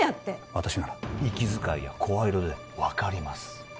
私なら息遣いや声色で分かります